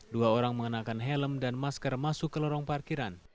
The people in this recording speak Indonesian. dua orang mengenakan helm dan masker masuk ke lorong parkiran